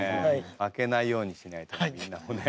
負けないようにしないとみんなもね。